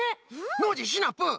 ノージーシナプー！